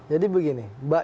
jadi begini mbak yeni